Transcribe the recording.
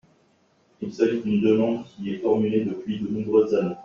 Il s’agit d’une demande qui est formulée depuis de nombreuses années.